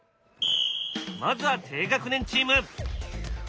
まずは低学年チーム。